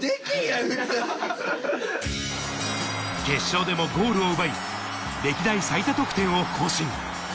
決勝でもゴールを奪い、歴代最多得点を更新。